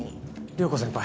涼子先輩。